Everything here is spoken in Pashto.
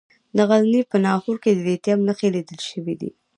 د غزني په ناهور کې د لیتیم نښې لیدل شوي دي.